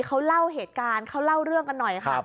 เขาเล่าเหตุการณ์เขาเล่าเรื่องกันหน่อยค่ะ